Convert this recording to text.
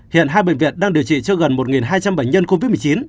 hiện hai bệnh viện đang điều trị cho gần một hai trăm linh bệnh nhân covid một mươi chín